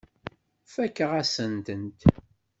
Fakeɣ-asent-t.